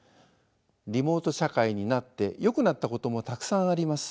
リモート社会になってよくなったこともたくさんあります。